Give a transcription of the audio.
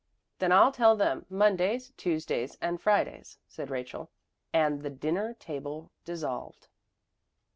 Then I'll tell them Mondays, Tuesdays and Fridays," said Rachel; and the dinner table dissolved.